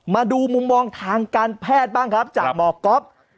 มาดูมุมมองทางการแพทย์บ้างครับจากหมอก๊อฟ